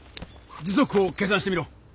時速を計算してみろ。